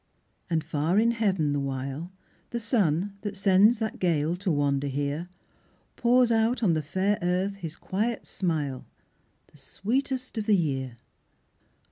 And far in heaven, the while, The sun, that sends that gale to wander here, Pours out on the fair earth his quiet smile, The sweetest of the year.